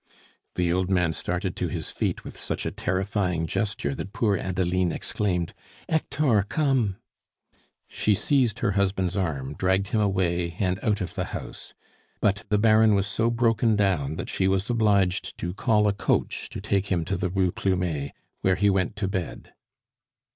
The old man started to his feet with such a terrifying gesture that poor Adeline exclaimed: "Hector come!" She seized her husband's arm, dragged him away, and out of the house; but the Baron was so broken down, that she was obliged to call a coach to take him to the Rue Plumet, where he went to bed.